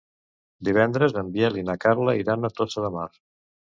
Divendres en Biel i na Carla iran a Tossa de Mar.